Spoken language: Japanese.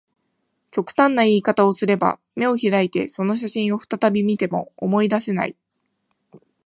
極端な言い方をすれば、眼を開いてその写真を再び見ても、思い出せない